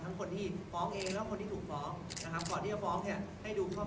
คนที่ฟ้องเองแล้วก็คนที่ถูกฟ้องนะครับก่อนที่จะฟ้องเนี่ยให้ดูครอบ